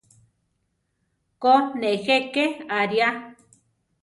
Ko, nejé ké aria!